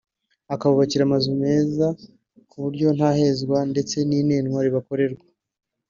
ikabubakira amazu meza ku buryo nta hezwa ndetse n’inenwa rikibakorerwa